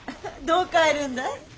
どう変えるんだい？